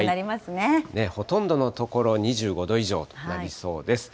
ほとんどの所、２５度以上となりそうです。